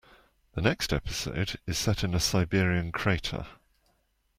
The next episode is set in a Siberian crater.